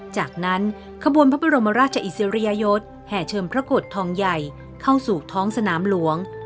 จากนั้นขบวนพระบรมราชอิสริยยศแห่เชิมพระโกรธทองใหญ่เข้าสู่ท้องสนามหลวง